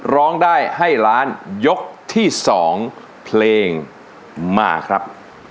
ร้องได้ให้ล้านยกที่๒เพลงมาครับ